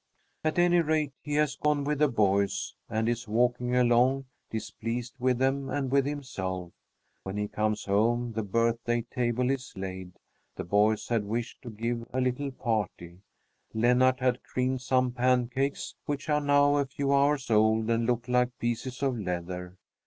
At any rate, he has gone with the boys and is walking along, displeased with them and with himself. When he comes home, the birthday table is laid. The boys had wished to give a little party. Lennart had creamed some pancakes, which are now a few hours old and look like pieces of leather.